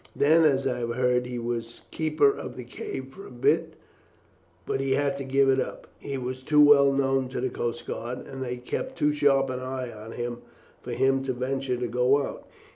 Then, as I have heard, he was keeper of the cave for a bit; but he had to give it up he was too well known to the coast guard, and they kept too sharp an eye on him for him to venture to go out.